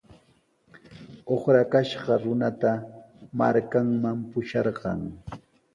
Uqrakashqa runata markanman pusharqan.